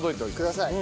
ください。